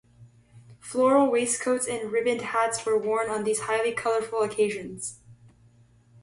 Floral waistcoats and ribboned hats were worn on these highly colourful occasions.